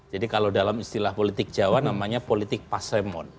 jadi kalau dalam istilah politik jawa namanya politik pasremon